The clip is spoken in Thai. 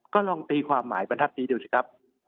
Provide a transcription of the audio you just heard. ก็ลองตีความหมายประทับนี้ดูสิครับ